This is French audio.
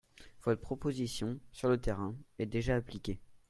Votre proposition, sur le terrain, est déjà appliquée.